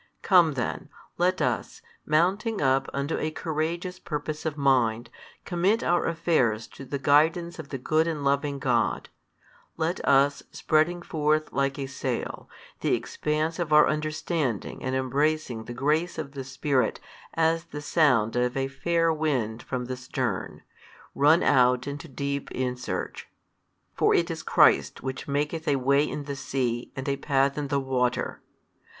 Come then, let us, mounting up unto a courageous purpose of mind, commit our affairs to the guidance of the good and loving God: let us, spreading forth like a sail, the expanse of our understanding and embracing the grace of the Spirit as the sound of a fair wind from the stern, run out into deep in search. For it is Christ Which maketh a way in the sea and a path in the water.